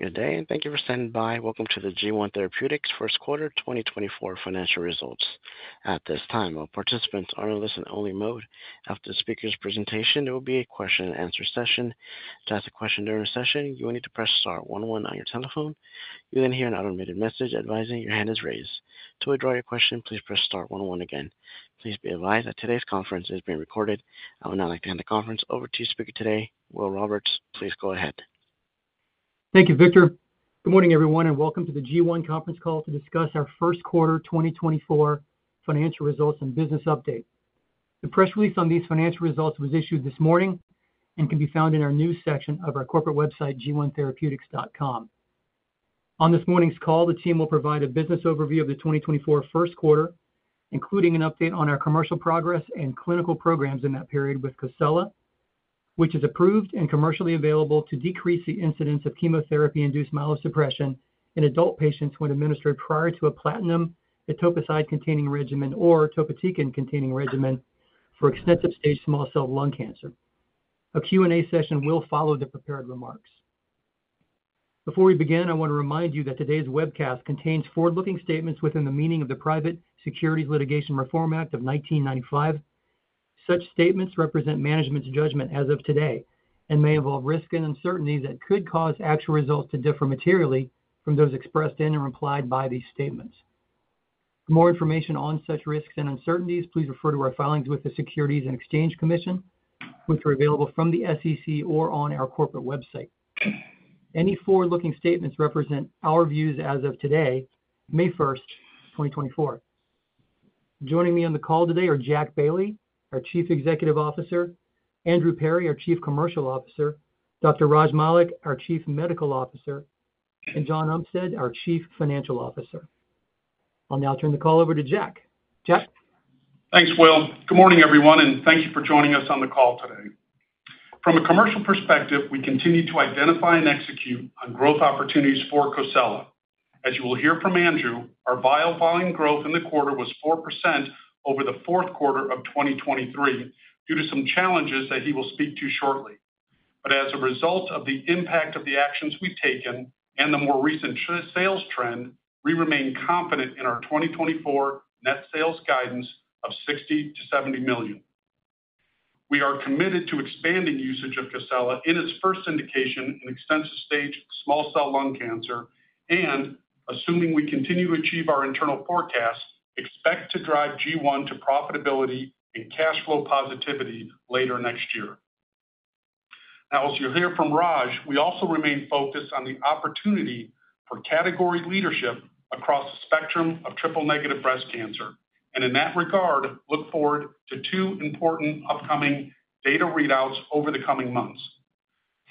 Good day, and thank you for standing by. Welcome to the G1 Therapeutics first quarter 2024 financial results. At this time, all participants are in listen-only mode. After the speaker's presentation, there will be a question-and-answer session. To ask a question during the session, you will need to press star one one on your telephone. You'll then hear an automated message advising your hand is raised. To withdraw your question, please press star one one again. Please be advised that today's conference is being recorded. I would now like to hand the conference over to speaker today, Will Roberts. Please go ahead. Thank you, Victor. Good morning, everyone, and welcome to the G1 conference call to discuss our first quarter 2024 financial results and business update. The press release on these financial results was issued this morning and can be found in our news section of our corporate website, g1therapeutics.com. On this morning's call, the team will provide a business overview of the 2024 first quarter, including an update on our commercial progress and clinical programs in that period with COSELA, which is approved and commercially available to decrease the incidence of chemotherapy-induced myelosuppression in adult patients when administered prior to a platinum etoposide-containing regimen or topotecan-containing regimen for extensive-stage small cell lung cancer. A Q&A session will follow the prepared remarks. Before we begin, I want to remind you that today's webcast contains forward-looking statements within the meaning of the Private Securities Litigation Reform Act of 1995. Such statements represent management's judgment as of today and may involve risks and uncertainties that could cause actual results to differ materially from those expressed in or implied by these statements. For more information on such risks and uncertainties, please refer to our filings with the Securities and Exchange Commission, which are available from the SEC or on our corporate website. Any forward-looking statements represent our views as of today, May 1st, 2024. Joining me on the call today are Jack Bailey, our Chief Executive Officer; Andrew Perry, our Chief Commercial Officer; Dr. Raj Malik, our Chief Medical Officer; and John Umstead, our Chief Financial Officer. I'll now turn the call over to Jack. Jack? Thanks, Will. Good morning, everyone, and thank you for joining us on the call today. From a commercial perspective, we continue to identify and execute on growth opportunities for COSELA. As you will hear from Andrew, our vial volume growth in the quarter was 4% over the fourth quarter of 2023 due to some challenges that he will speak to shortly. But as a result of the impact of the actions we've taken and the more recent sales trend, we remain confident in our 2024 net sales guidance of $60 million-$70 million. We are committed to expanding usage of COSELA in its first indication in extensive-stage small cell lung cancer, and assuming we continue to achieve our internal forecasts, expect to drive G1 to profitability and cash flow positivity later next year. Now, as you'll hear from Raj, we also remain focused on the opportunity for category leadership across the spectrum of triple-negative breast cancer, and in that regard, look forward to two important upcoming data readouts over the coming months.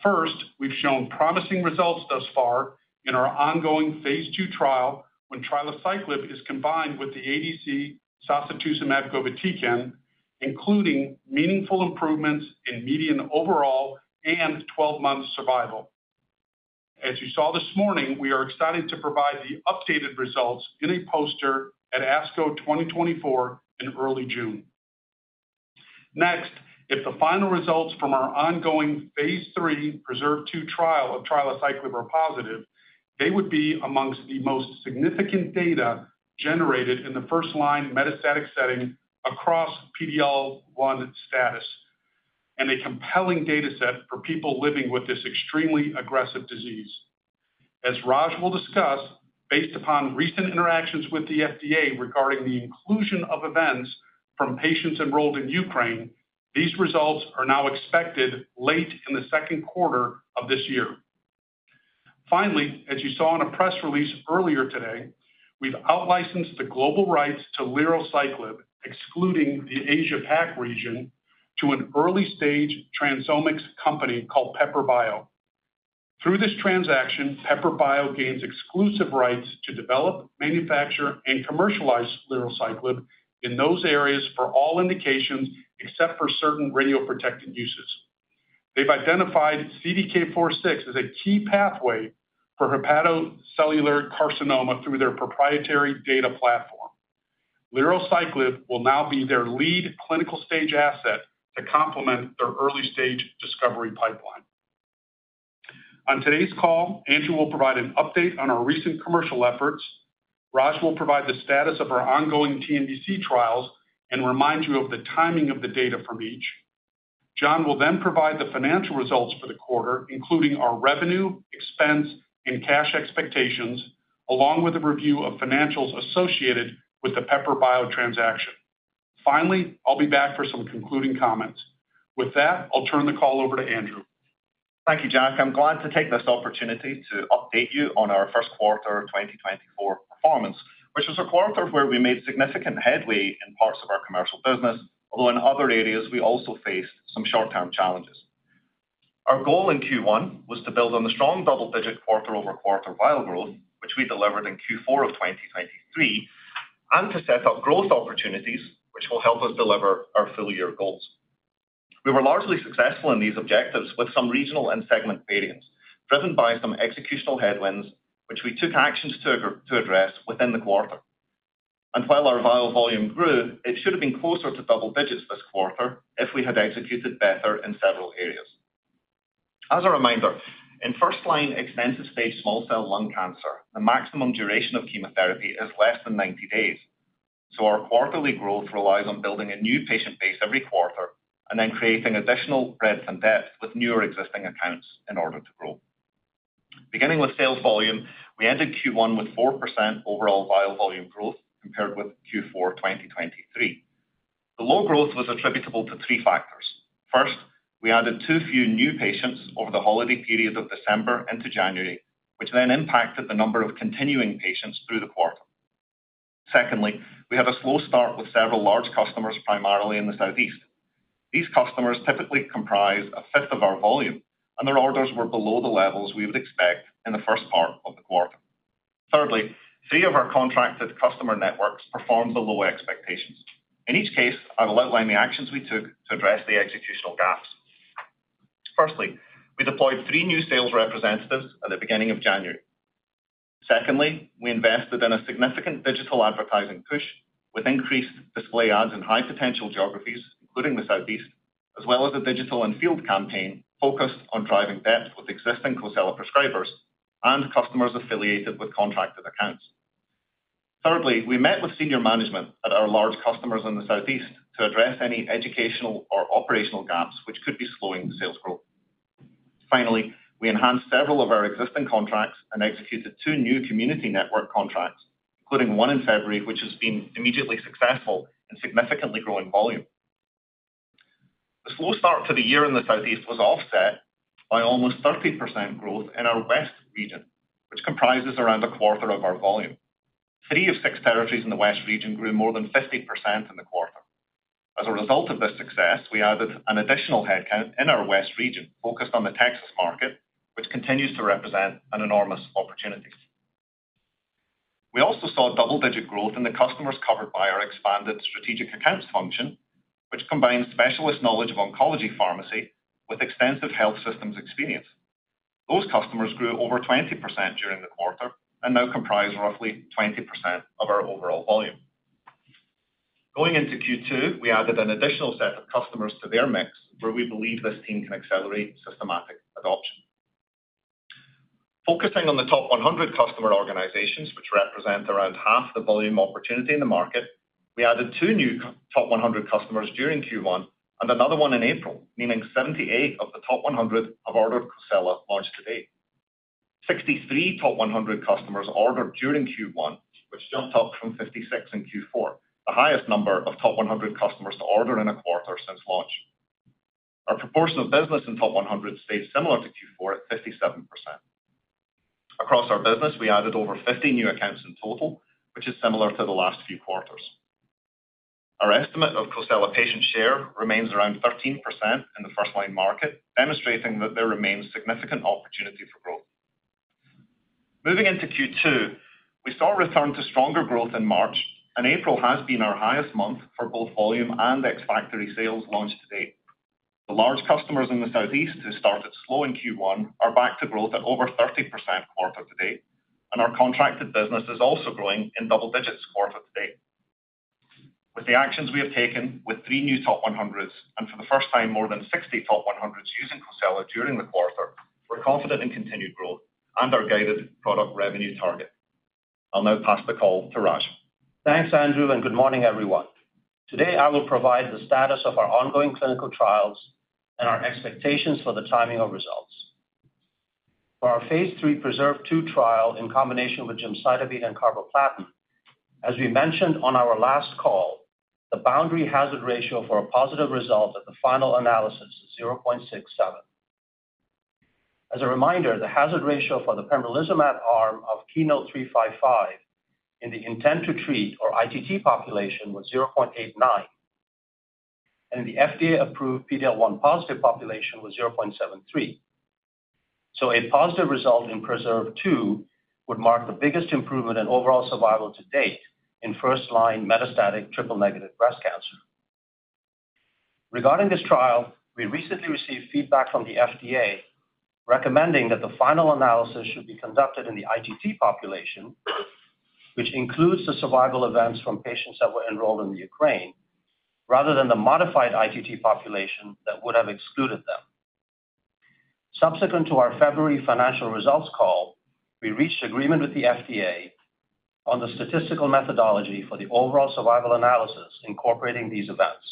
First, we've shown promising results thus far in our ongoing phase II trial when trilaciclib is combined with the ADC sacituzumab govitecan, including meaningful improvements in median overall and 12-month survival. As you saw this morning, we are excited to provide the updated results in a poster at ASCO 2024 in early June. Next, if the final results from our ongoing phase III PRESERVE 2 trial of trilaciclib are positive, they would be amongst the most significant data generated in the first-line metastatic setting across PD-L1 status, and a compelling data set for people living with this extremely aggressive disease. As Raj will discuss, based upon recent interactions with the FDA regarding the inclusion of events from patients enrolled in Ukraine, these results are now expected late in the second quarter of this year. Finally, as you saw in a press release earlier today, we've outlicensed the global rights to lerociclib, excluding the Asia-Pacific region, to an early-stage transomics company called Pepper Bio. Through this transaction, Pepper Bio gains exclusive rights to develop, manufacture, and commercialize lerociclib in those areas for all indications except for certain radioprotective uses. They've identified CDK 4/6 as a key pathway for hepatocellular carcinoma through their proprietary data platform. Lerociclib will now be their lead clinical stage asset to complement their early stage discovery pipeline. On today's call, Andrew will provide an update on our recent commercial efforts. Raj will provide the status of our ongoing TNBC trials and remind you of the timing of the data from each. John will then provide the financial results for the quarter, including our revenue, expense, and cash expectations, along with a review of financials associated with the Pepper Bio transaction. Finally, I'll be back for some concluding comments. With that, I'll turn the call over to Andrew. Thank you, Jack. I'm glad to take this opportunity to update you on our first quarter 2024 performance, which was a quarter where we made significant headway in parts of our commercial business, although in other areas, we also faced some short-term challenges. Our goal in Q1 was to build on the strong double-digit quarter-over-quarter vial growth, which we delivered in Q4 of 2023, and to set up growth opportunities, which will help us deliver our full-year goals. We were largely successful in these objectives with some regional and segment variance, driven by some executional headwinds, which we took actions to address within the quarter. And while our vial volume grew, it should have been closer to double digits this quarter if we had executed better in several areas. As a reminder, in first-line extensive-stage small cell lung cancer, the maximum duration of chemotherapy is less than 90 days. So our quarterly growth relies on building a new patient base every quarter and then creating additional breadth and depth with new or existing accounts in order to grow. Beginning with sales volume, we ended Q1 with 4% overall vial volume growth compared with Q4 2023. The low growth was attributable to three factors. First, we added too few new patients over the holiday period of December into January, which then impacted the number of continuing patients through the quarter. Secondly, we had a slow start with several large customers, primarily in the Southeast. These customers typically comprise a fifth of our volume, and their orders were below the levels we would expect in the first part of the quarter. Thirdly, three of our contracted customer networks performed below expectations. In each case, I will outline the actions we took to address the executional gaps. Firstly, we deployed three new sales representatives at the beginning of January. Secondly, we invested in a significant digital advertising push with increased display ads in high potential geographies, including the Southeast, as well as a digital and field campaign focused on driving depth with existing COSELA prescribers and customers affiliated with contracted accounts. Thirdly, we met with senior management at our large customers in the Southeast to address any educational or operational gaps which could be slowing sales growth. Finally, we enhanced several of our existing contracts and executed two new community network contracts, including one in February, which has been immediately successful in significantly growing volume. The slow start to the year in the Southeast was offset by almost 30% growth in our West region, which comprises around a quarter of our volume. Three of six territories in the West region grew more than 50% in the quarter. As a result of this success, we added an additional headcount in our West region, focused on the Texas market, which continues to represent an enormous opportunity. We also saw double-digit growth in the customers covered by our expanded strategic accounts function, which combines specialist knowledge of oncology pharmacy with extensive health systems experience. Those customers grew over 20% during the quarter and now comprise roughly 20% of our overall volume. Going into Q2, we added an additional set of customers to their mix, where we believe this team can accelerate systematic adoption. Focusing on the top 100 customer organizations, which represent around half the volume opportunity in the market, we added two new top 100 customers during Q1 and another one in April, meaning 78 of the top 100 have ordered COSELA launched to date. Sixty-three top 100 customers ordered during Q1, which jumped up from 56 in Q4, the highest number of top 100 customers to order in a quarter since launch. Our proportion of business in top 100 stayed similar to Q4 at 57%. Across our business, we added over 50 new accounts in total, which is similar to the last few quarters. Our estimate of COSELA patient share remains around 13% in the first line market, demonstrating that there remains significant opportunity for growth. Moving into Q2, we saw a return to stronger growth in March, and April has been our highest month for both volume and ex-factory sales launched to date. The large customers in the Southeast who started slow in Q1 are back to growth at over 30% quarter-to-date, and our contracted business is also growing in double digits quarter-to-date. With the actions we have taken with three new top 100s, and for the first time, more than 60 top 100s using COSELA during the quarter, we're confident in continued growth and our guided product revenue target. I'll now pass the call to Raj. Thanks, Andrew, and good morning, everyone. Today, I will provide the status of our ongoing clinical trials and our expectations for the timing of results. For our phase III PRESERVE 2 trial in combination with gemcitabine and carboplatin, as we mentioned on our last call, the boundary hazard ratio for a positive result at the final analysis is 0.67. As a reminder, the hazard ratio for the pembrolizumab arm of KEYNOTE-355 in the intent-to-treat or ITT population was 0.89, and the FDA-approved PD-L1 positive population was 0.73. So a positive result in PRESERVE 2 would mark the biggest improvement in overall survival to date in first-line metastatic triple-negative breast cancer. Regarding this trial, we recently received feedback from the FDA recommending that the final analysis should be conducted in the ITT population, which includes the survival events from patients that were enrolled in the Ukraine, rather than the modified ITT population that would have excluded them. Subsequent to our February financial results call, we reached agreement with the FDA on the statistical methodology for the overall survival analysis incorporating these events.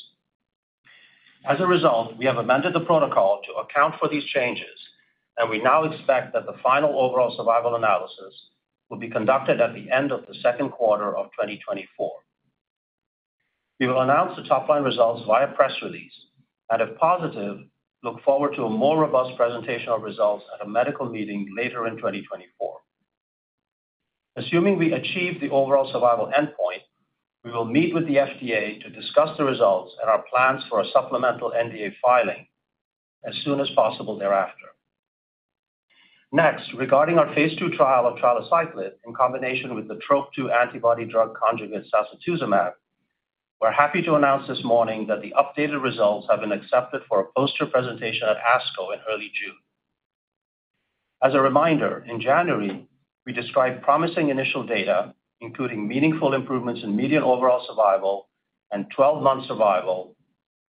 As a result, we have amended the protocol to account for these changes, and we now expect that the final overall survival analysis will be conducted at the end of the second quarter of 2024. We will announce the top-line results via press release, and if positive, look forward to a more robust presentation of results at a medical meeting later in 2024. Assuming we achieve the overall survival endpoint, we will meet with the FDA to discuss the results and our plans for a supplemental NDA filing as soon as possible thereafter. Next, regarding our phase II trial of trilaciclib in combination with the Trop-2 antibody-drug conjugate sacituzumab, we're happy to announce this morning that the updated results have been accepted for a poster presentation at ASCO in early June. As a reminder, in January, we described promising initial data, including meaningful improvements in median overall survival and 12-month survival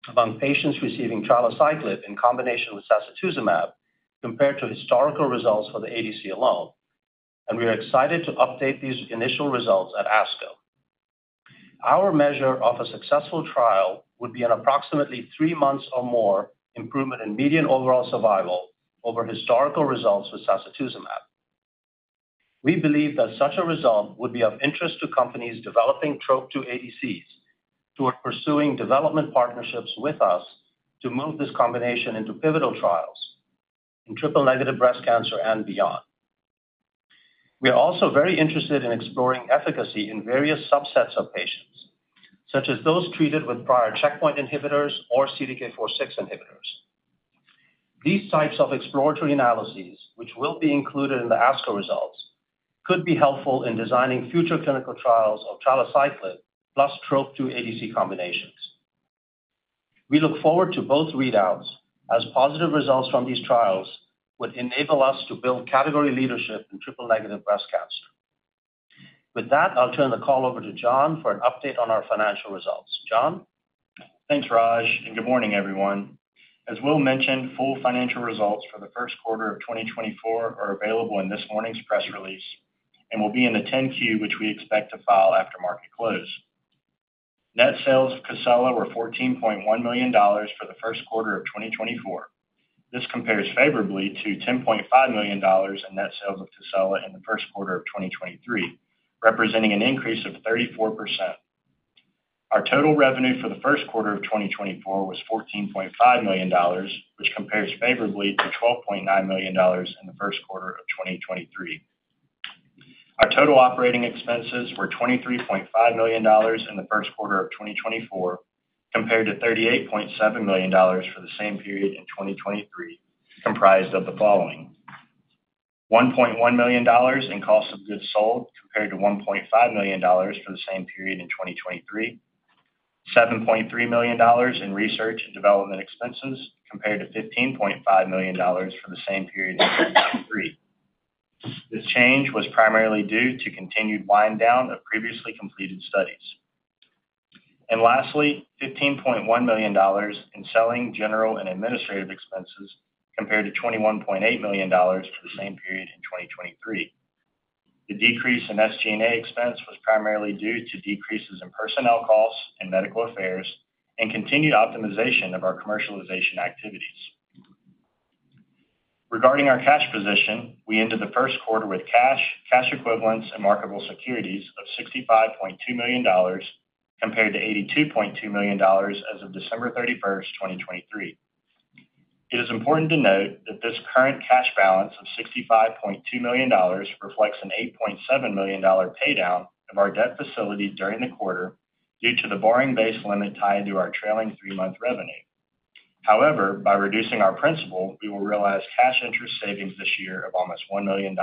among patients receiving trilaciclib in combination with sacituzumab, compared to historical results for the ADC alone, and we are excited to update these initial results at ASCO. Our measure of a successful trial would be an approximately 3 months or more improvement in median overall survival over historical results with sacituzumab. We believe that such a result would be of interest to companies developing Trop-2 ADCs, who are pursuing development partnerships with us to move this combination into pivotal trials in triple-negative breast cancer and beyond. We are also very interested in exploring efficacy in various subsets of patients, such as those treated with prior checkpoint inhibitors or CDK4/6 inhibitors. These types of exploratory analyses, which will be included in the ASCO results, could be helpful in designing future clinical trials of trilaciclib plus Trop-2 ADC combinations. We look forward to both readouts, as positive results from these trials would enable us to build category leadership in triple-negative breast cancer. With that, I'll turn the call over to John for an update on our financial results. John? Thanks, Raj, and good morning, everyone. As Will mentioned, full financial results for the first quarter of 2024 are available in this morning's press release and will be in the 10-Q, which we expect to file after market close. Net sales of COSELA were $14.1 million for the first quarter of 2024. This compares favorably to $10.5 million in net sales of COSELA in the first quarter of 2023, representing an increase of 34%. Our total revenue for the first quarter of 2024 was $14.5 million, which compares favorably to $12.9 million in the first quarter of 2023. Our total operating expenses were $23.5 million in the first quarter of 2024, compared to $38.7 million for the same period in 2023, comprised of the following: $1.1 million in cost of goods sold, compared to $1.5 million for the same period in 2023, $7.3 million in research and development expenses, compared to $15.5 million for the same period in 2023. This change was primarily due to continued wind-down of previously completed studies. And lastly, $15.1 million in selling general and administrative expenses, compared to $21.8 million for the same period in 2023. The decrease in SG&A expense was primarily due to decreases in personnel costs and medical affairs and continued optimization of our commercialization activities. Regarding our cash position, we ended the first quarter with cash, cash equivalents, and marketable securities of $65.2 million, compared to $82.2 million as of December 31st, 2023. It is important to note that this current cash balance of $65.2 million reflects an $8.7 million dollar paydown of our debt facility during the quarter due to the borrowing base limit tied to our trailing three-month revenue. However, by reducing our principal, we will realize cash interest savings this year of almost $1 million.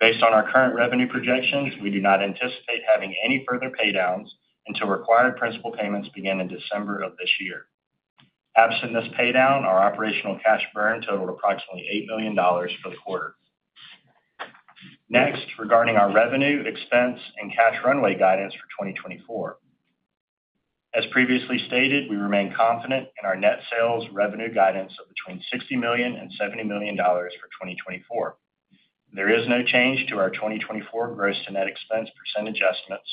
Based on our current revenue projections, we do not anticipate having any further pay downs until required principal payments begin in December of this year. Absent this paydown, our operational cash burn totaled approximately $8 million for the quarter. Next, regarding our revenue, expense, and cash runway guidance for 2024. As previously stated, we remain confident in our net sales revenue guidance of between $60 million and $70 million for 2024. There is no change to our 2024 gross to net expense percent adjustments.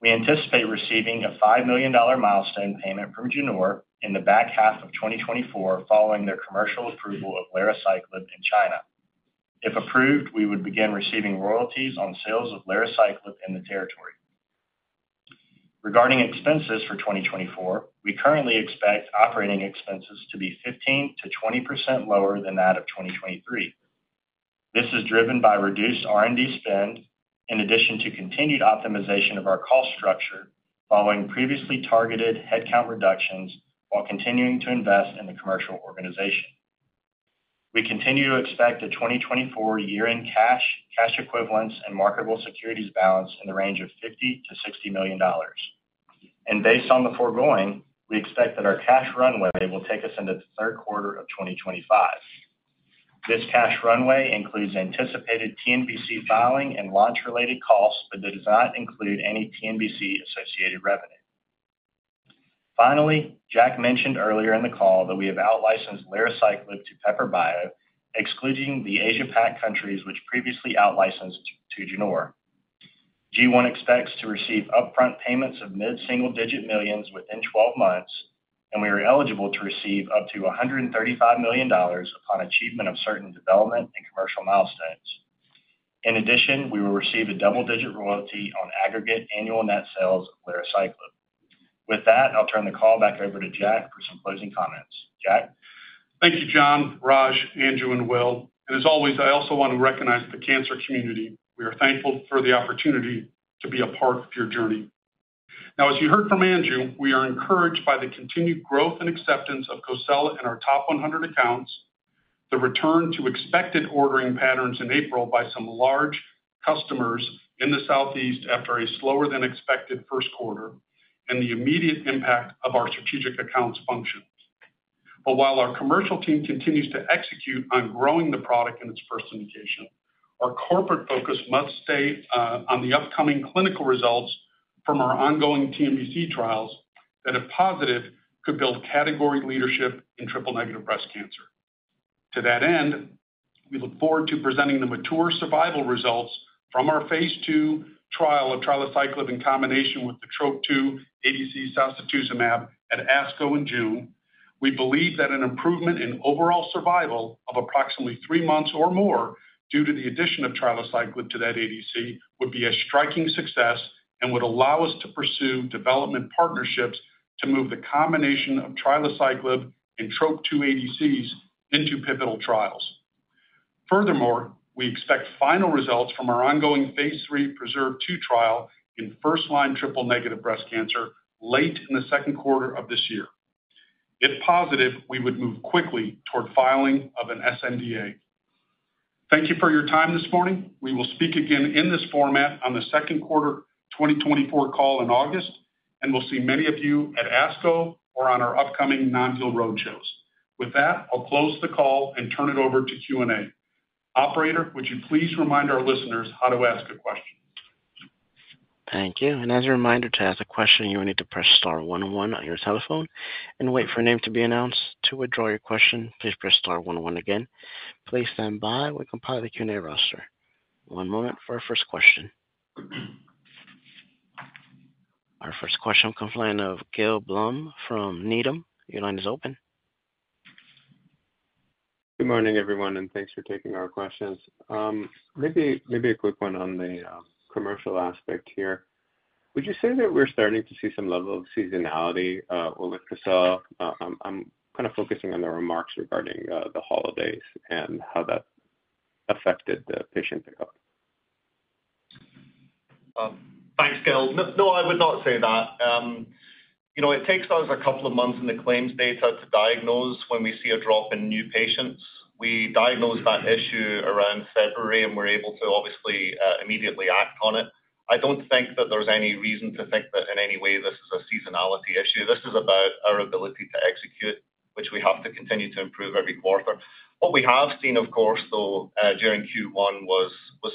We anticipate receiving a $5 million milestone payment from Genor in the back half of 2024, following their commercial approval of lerociclib in China. If approved, we would begin receiving royalties on sales of lerociclib in the territory. Regarding expenses for 2024, we currently expect operating expenses to be 15%-20% lower than that of 2023. This is driven by reduced R&D spend, in addition to continued optimization of our cost structure following previously targeted headcount reductions while continuing to invest in the commercial organization. We continue to expect a 2024 year-end cash, cash equivalents, and marketable securities balance in the range of $50 million-$60 million. Based on the foregoing, we expect that our cash runway will take us into the third quarter of 2025. This cash runway includes anticipated TNBC filing and launch-related costs, but it does not include any TNBC-associated revenue. Finally, Jack mentioned earlier in the call that we have outlicensed lerociclib to Pepper Bio, excluding the Asia-Pacific countries, which previously outlicensed to Genor. G1 expects to receive upfront payments of mid-single-digit millions within 12 months, and we are eligible to receive up to $135 million upon achievement of certain development and commercial milestones. In addition, we will receive a double-digit royalty on aggregate annual net sales of lerociclib. With that, I'll turn the call back over to Jack for some closing comments. Jack? Thank you, John, Raj, Andrew, and Will. And as always, I also want to recognize the cancer community. We are thankful for the opportunity to be a part of your journey. Now, as you heard from Andrew, we are encouraged by the continued growth and acceptance of COSELA in our top 100 accounts, the return to expected ordering patterns in April by some large customers in the Southeast after a slower than expected first quarter.and the immediate impact of our strategic accounts functions. But while our commercial team continues to execute on growing the product in its first indication, our corporate focus must stay on the upcoming clinical results from our ongoing TNBC trials that, if positive, could build category leadership in triple-negative breast cancer. To that end, we look forward to presenting the mature survival results from our phase II trial of trilaciclib in combination with the Trop-2 ADC, sacituzumab govitecan at ASCO in June. We believe that an improvement in overall survival of approximately three months or more due to the addition of trilaciclib to that ADC would be a striking success and would allow us to pursue development partnerships to move the combination of trilaciclib and Trop-2 ADCs into pivotal trials. Furthermore, we expect final results from our ongoing phase III PRESERVE 2 trial in first-line triple-negative breast cancer late in the second quarter of this year. If positive, we would move quickly toward filing of an sNDA. Thank you for your time this morning. We will speak again in this format on the second quarter 2024 call in August, and we'll see many of you at ASCO or on our upcoming non-deal road shows. With that, I'll close the call and turn it over to Q&A. Operator, would you please remind our listeners how to ask a question? Thank you. And as a reminder, to ask a question, you will need to press star one on your telephone and wait for a name to be announced. To withdraw your question, please press star one one again. Please stand by. We compile the Q&A roster. One moment for our first question. Our first question comes from the line of Gil Blum from Needham. Your line is open. Good morning, everyone, and thanks for taking our questions. Maybe, maybe a quick one on the commercial aspect here. Would you say that we're starting to see some level of seasonality with COSELA? I'm kind of focusing on the remarks regarding the holidays and how that affected the patient pickup. Thanks, Gil. No, no, I would not say that. You know, it takes us a couple of months in the claims data to diagnose when we see a drop in new patients. We diagnosed that issue around February, and we're able to, obviously, immediately act on it. I don't think that there's any reason to think that in any way this is a seasonality issue. This is about our ability to execute, which we have to continue to improve every quarter. What we have seen, of course, though, during Q1 was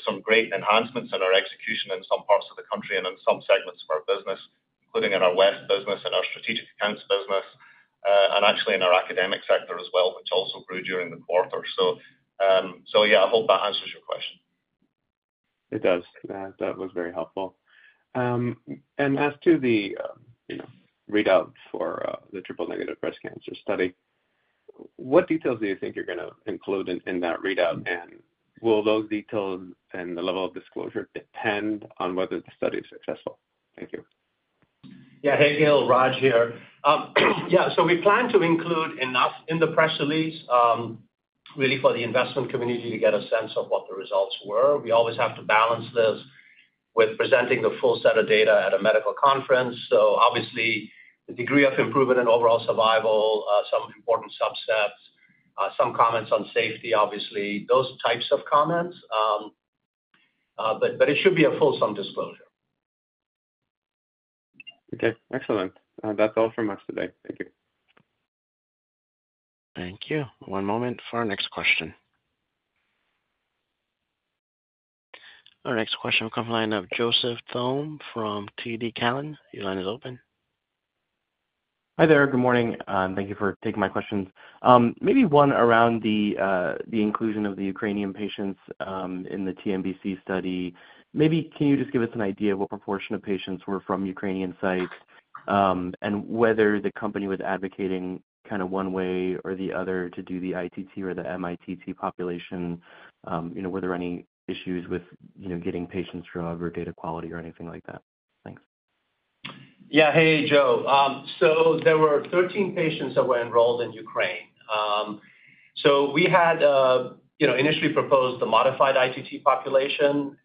some great enhancements in our execution in some parts of the country and in some segments of our business, including in our West business and our strategic accounts business, and actually in our academic sector as well, which also grew during the quarter. So, so yeah, I hope that answers your question. It does. That was very helpful. And as to the, you know, readout for the triple-negative breast cancer study, what details do you think you're gonna include in that readout? And will those details and the level of disclosure depend on whether the study is successful? Thank you. Yeah. Hey, Gil, Raj here. Yeah, so we plan to include enough in the press release, really for the investment community to get a sense of what the results were. We always have to balance this with presenting the full set of data at a medical conference. So obviously, the degree of improvement in overall survival, some important subsets, some comments on safety, obviously, those types of comments. But it should be a full disclosure. Okay, excellent. That's all from us today. Thank you. Thank you. One moment for our next question. Our next question will come from the line of Joseph Thome from TD Cowen. Your line is open. Hi there. Good morning, thank you for taking my questions. Maybe one around the inclusion of the Ukrainian patients in the TNBC study. Maybe can you just give us an idea of what proportion of patients were from Ukrainian sites, and whether the company was advocating kind of one way or the other to do the ITT or the mITT population? You know, were there any issues with, you know, getting patients from or data quality or anything like that? Thanks. Yeah. Hey, Joe. So there were 13 patients that were enrolled in Ukraine. So we had, you know, initially proposed the modified ITT population,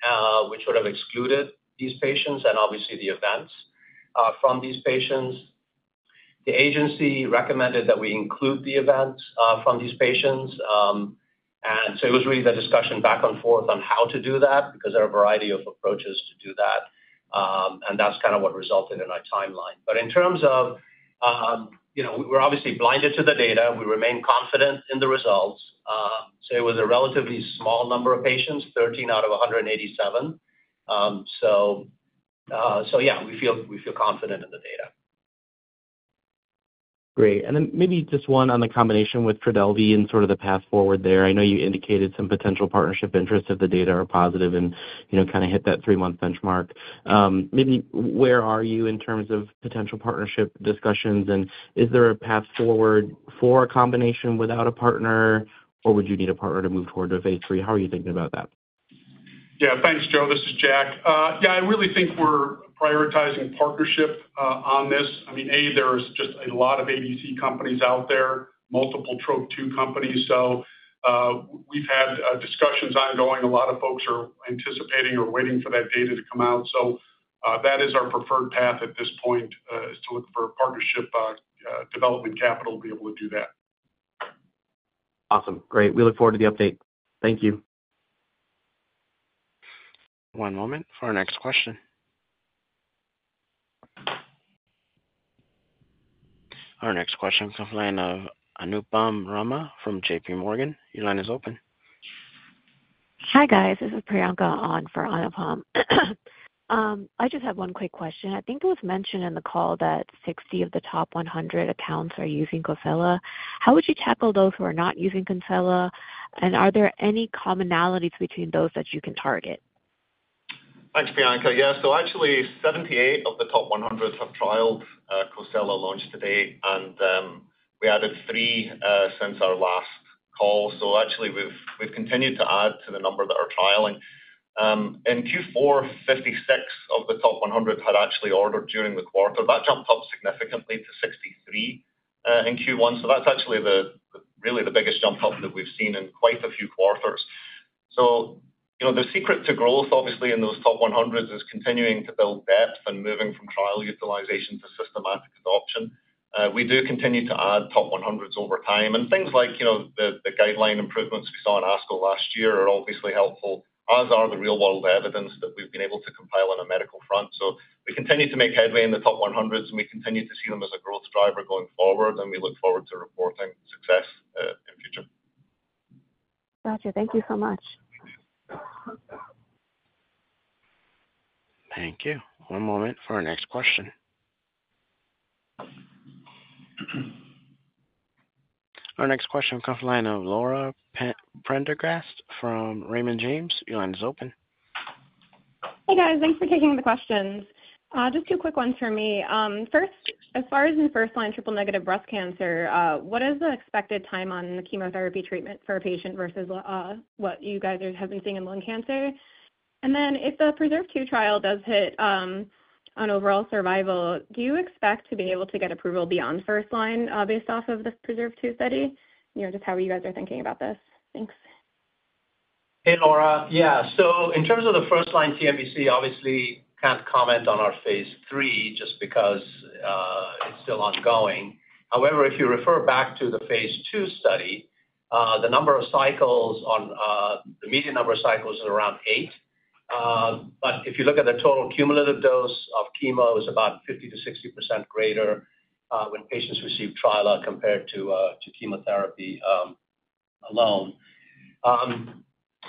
which would have excluded these patients and obviously the events from these patients. The agency recommended that we include the events from these patients. And so it was really the discussion back and forth on how to do that, because there are a variety of approaches to do that. And that's kind of what resulted in our timeline. But in terms of, you know, we're obviously blinded to the data. We remain confident in the results. So it was a relatively small number of patients, 13 out of 187. So yeah, we feel, we feel confident in the data. Great. Then maybe just one on the combination with Trodelvy and sort of the path forward there. I know you indicated some potential partnership interest if the data are positive and, you know, kind of hit that three-month benchmark. Maybe where are you in terms of potential partnership discussions, and is there a path forward for a combination without a partner, or would you need a partner to move toward a phase three? How are you thinking about that? Yeah. Thanks, Joe. This is Jack. Yeah, I really think we're prioritizing partnership on this. I mean, A, there's just a lot of ADC companies out there, multiple Trop-2 companies. So, we've had discussions ongoing. A lot of folks are anticipating or waiting for that data to come out. So, that is our preferred path at this point, is to look for a partnership, development capital to be able to do that. Awesome. Great. We look forward to the update. Thank you. One moment for our next question. Our next question comes from the line of Anupam Rama from JPMorgan. Your line is open. Hi, guys. This is Priyanka on for Anupam. I just have one quick question. I think it was mentioned in the call that 60 of the top 100 accounts are using COSELA. How would you tackle those who are not using COSELA, and are there any commonalities between those that you can target? Thanks, Priyanka. Yeah, so actually 78 of the top 100s have trialed COSELA, launched today, and we added three since our last call. So actually, we've continued to add to the number that are trialing. In Q4, 56 of the top 100s had actually ordered during the quarter. That jumped up significantly to 63 in Q1. So that's actually really the biggest jump up that we've seen in quite a few quarters. So you know, the secret to growth, obviously, in those top 100s is continuing to build depth and moving from trial utilization to systematic adoption. We do continue to add top 100s over time, and things like, you know, the, the guideline improvements we saw in ASCO last year are obviously helpful, as are the real world evidence that we've been able to compile on a medical front. So we continue to make headway in the top 100s, and we continue to see them as a growth driver going forward, and we look forward to reporting success in future. Gotcha. Thank you so much. Thank you. One moment for our next question. Our next question comes from the line of Laura Prendergast from Raymond James. Your line is open. Hey, guys. Thanks for taking the questions. Just two quick ones for me. First, as far as in first-line triple-negative breast cancer, what is the expected time on the chemotherapy treatment for a patient versus what you guys have been seeing in lung cancer? And then, if the PRESERVE 2 trial does hit on overall survival, do you expect to be able to get approval beyond first line, based off of the PRESERVE 2 study? You know, just how you guys are thinking about this. Thanks. Hey, Laura. Yeah. So in terms of the first-line TNBC, obviously, can't comment on our phase III just because it's still ongoing. However, if you refer back to the phase II study, the number of cycles on the median number of cycles is around 8. But if you look at the total cumulative dose of chemo is about 50%-60% greater when patients receive trilaciclib compared to chemotherapy alone.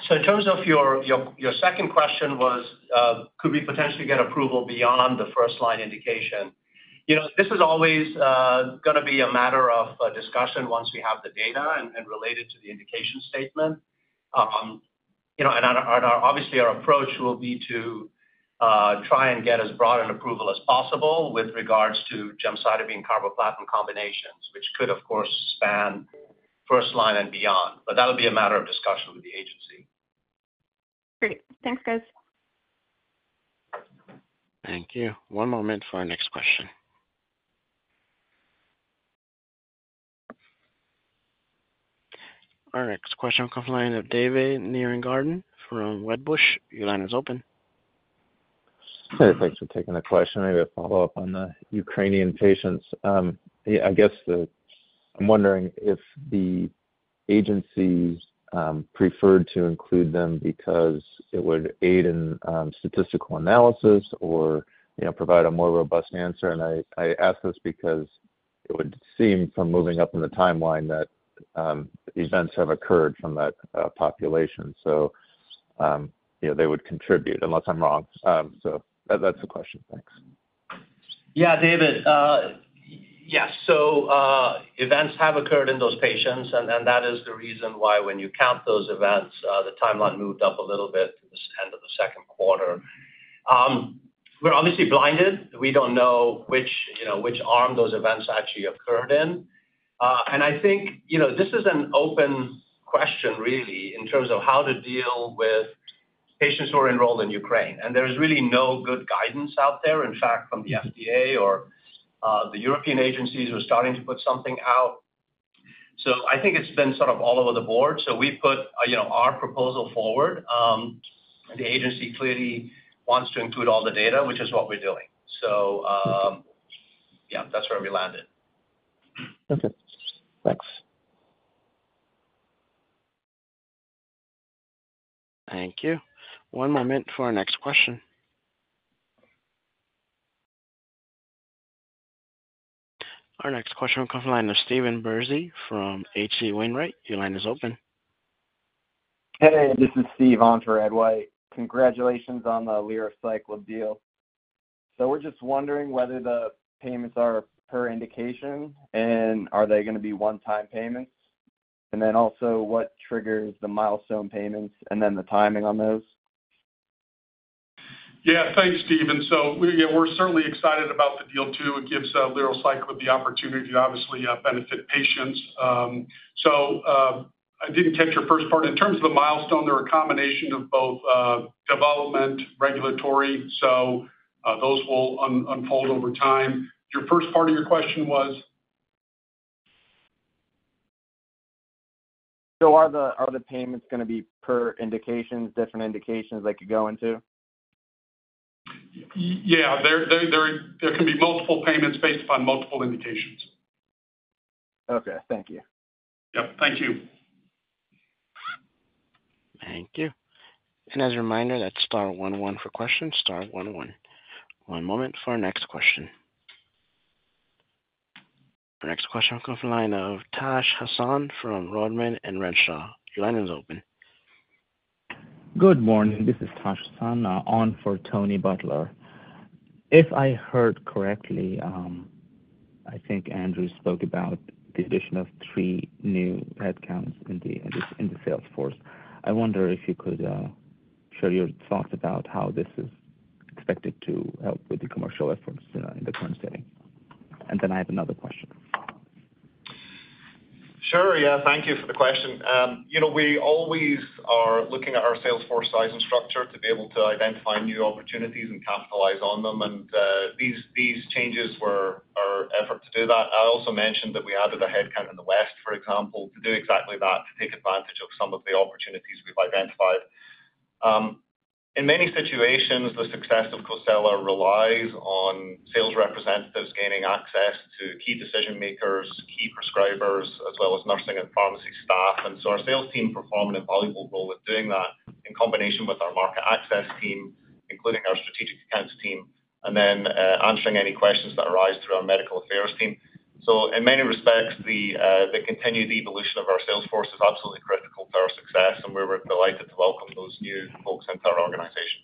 So in terms of your, your, your second question was, could we potentially get approval beyond the first-line indication? You know, this is always gonna be a matter of discussion once we have the data and related to the indication statement. You know, obviously, our approach will be to try and get as broad an approval as possible with regards to gemcitabine carboplatin combinations, which could, of course, span first line and beyond, but that would be a matter of discussion with the agency. Great. Thanks, guys. Thank you. One moment for our next question. Our next question comes from the line of David Nierengarten from Wedbush. Your line is open. Hey, thanks for taking the question. I have a follow-up on the Ukrainian patients. I'm wondering if the agencies preferred to include them because it would aid in statistical analysis or, you know, provide a more robust answer. And I ask this because it would seem from moving up in the timeline that events have occurred from that population, so, you know, they would contribute, unless I'm wrong. So that's the question. Thanks. Yeah, David. Yes. So, events have occurred in those patients, and, and that is the reason why when you count those events, the timeline moved up a little bit to this end of the second quarter. We're obviously blinded. We don't know which, you know, which arm those events actually occurred in. And I think, you know, this is an open question really, in terms of how to deal with patients who are enrolled in Ukraine, and there's really no good guidance out there, in fact, from the FDA or, the European agencies are starting to put something out. So I think it's been sort of all over the board. So we've put, you know, our proposal forward. The agency clearly wants to include all the data, which is what we're doing. So, yeah, that's where we landed. Okay. Thanks. Thank you. One moment for our next question. Our next question comes from the line of Stephen Bersey from H.C. Wainwright. Your line is open. Hey, this is Steve on for Ed White. Congratulations on the lerociclib deal. So we're just wondering whether the payments are per indication, and are they gonna be one-time payments? And then also, what triggers the milestone payments, and then the timing on those? Yeah. Thanks, Steven. So we're certainly excited about the deal, too. It gives lerociclib the opportunity to obviously benefit patients. So, I didn't catch your first part. In terms of the milestone, they're a combination of both development, regulatory, so those will unfold over time. Your first part of your question was? So are the payments gonna be per indications, different indications they could go into? Yeah, there can be multiple payments based upon multiple indications. Okay, thank you. Yep, thank you. Thank you. And as a reminder, that's star one one for questions, star one one. One moment for our next question. Our next question comes from the line of Tash Hasan from Rodman & Renshaw. Your line is open. Good morning. This is Tash Hassan on for Tony Butler. If I heard correctly, I think Andrew spoke about the addition of three new headcounts in the sales force. I wonder if you could share your thoughts about how this is expected to help with the commercial efforts in the current setting? And then I have another question. Sure. Yeah, thank you for the question. You know, we always are looking at our sales force size and structure to be able to identify new opportunities and capitalize on them. And, these changes were our effort to do that. I also mentioned that we added a headcount in the West, for example, to do exactly that, to take advantage of some of the opportunities we've identified. In many situations, the success of COSELA relies on sales representatives gaining access to key decision makers, key prescribers, as well as nursing and pharmacy staff. And so our sales team perform an invaluable role with doing that in combination with our market access team, including our strategic accounts team, and then, answering any questions that arise through our medical affairs team. So in many respects, the continued evolution of our sales force is absolutely critical to our success, and we're delighted to welcome those new folks into our organization.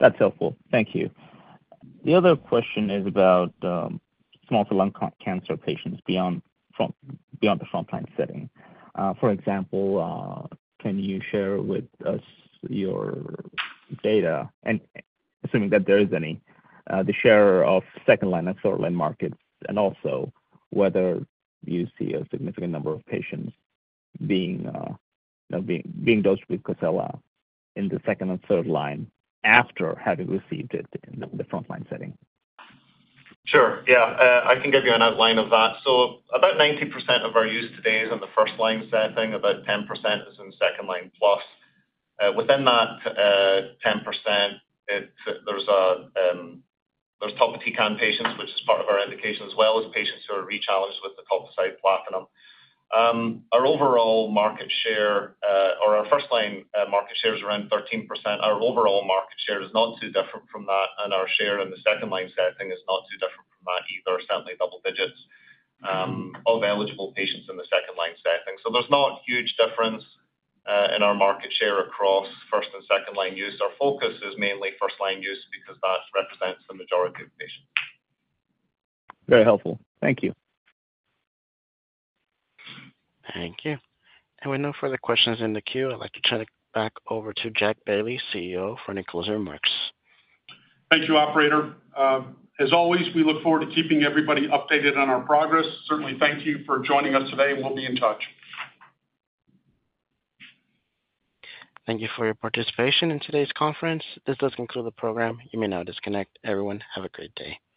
That's helpful. Thank you. The other question is about small cell lung cancer patients beyond the frontline setting. For example, can you share with us your data? And assuming that there is any, the share of second line and third line markets, and also whether you see a significant number of patients being, you know, dosed with COSELA in the second and third line after having received it in the frontline setting. Sure. Yeah. I can give you an outline of that. So about 90% of our use today is on the first-line setting, about 10% is in second-line plus. Within that 10%, there's topotecan patients, which is part of our indication, as well as patients who are rechallenged with the etoposide platinum. Our overall market share, or our first line market share is around 13%. Our overall market share is not too different from that, and our share in the second-line setting is not too different from that either, certainly double digits of eligible patients in the second-line setting. So there's not huge difference in our market share across first and second-line use. Our focus is mainly first line use because that represents the majority of patients. Very helpful. Thank you. Thank you. With no further questions in the queue, I'd like to turn it back over to Jack Bailey, CEO, for any closing remarks. Thank you, operator. As always, we look forward to keeping everybody updated on our progress. Certainly, thank you for joining us today, and we'll be in touch. Thank you for your participation in today's conference. This does conclude the program. You may now disconnect. Everyone, have a great day.